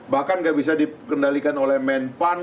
bahkan gak bisa dikendalikan oleh men pan